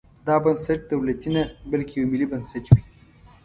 دا بنسټ دولتي نه بلکې یو ملي بنسټ وي.